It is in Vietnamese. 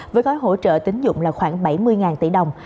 với gói hỗ trợ tín dụng là khoảng bảy mươi tỷ đồng